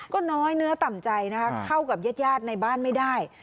ก็น้อยเนื้อต่ำใจนะคะเข้ากับญาติในบ้านไม่ได้